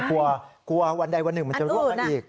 กลัวกลัววันใดวันหนึ่งมันจะร่วงกันอีก